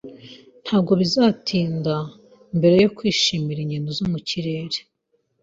Ntabwo bizatinda mbere yo kwishimira ingendo zo mu kirere.